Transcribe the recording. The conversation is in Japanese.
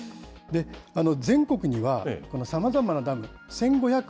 全国には、このさまざまなダム、１５００